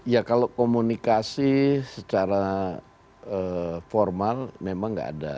ya kalau komunikasi secara formal memang nggak ada